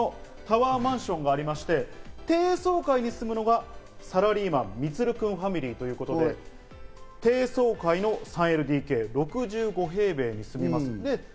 タワーマンションがありまして、低層階に住むのがサラリーマン・みつる君ファミリーということで、低層階の３ＬＤＫ、６５平米に住んでいます。